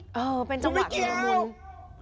เออเป็นจังหวะขึ้นละมุน